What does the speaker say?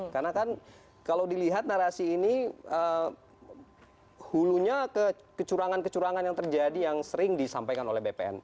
karena kan kalau dilihat narasi ini hulunya kecurangan kecurangan yang terjadi yang sering disampaikan oleh bpn